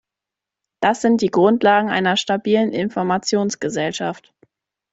Das sind die Grundlagen einer stabilen Informationsgesellschaft.